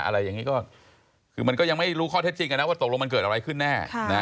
อะไรอย่างนี้ก็คือมันก็ยังไม่รู้ข้อเท็จจริงกันนะว่าตกลงมันเกิดอะไรขึ้นแน่